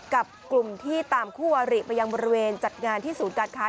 กับกลุ่มที่ตามคู่วาริไปยังบริเวณจัดงานที่ศูนย์การค้า